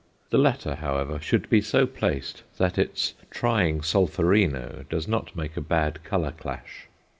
The latter, however, should be so placed that its trying solferino does not make a bad color clash.